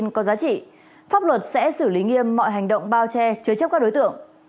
nếu có thông tin có giá trị pháp luật sẽ xử lý nghiêm mọi hành động bao che chứa chấp các đối tượng